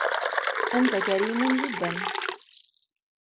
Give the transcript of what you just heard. أنت كريمٌ جداً.